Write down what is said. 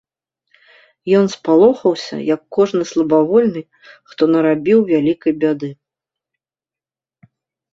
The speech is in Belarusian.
Ён спалохаўся, як кожны слабавольны, хто нарабіў вялікай бяды.